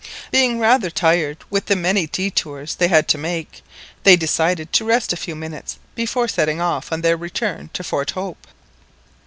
Being rather tired with the many détours they had had to make, they decided to rest a few minutes before setting off on their return to Fort Hope.